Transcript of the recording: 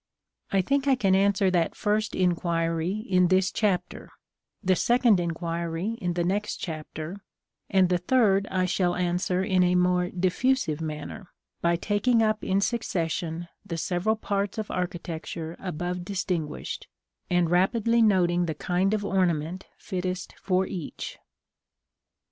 I think I can answer that first inquiry in this Chapter, the second inquiry in the next Chapter, and the third I shall answer in a more diffusive manner, by taking up in succession the several parts of architecture above distinguished, and rapidly noting the kind of ornament fittest for each.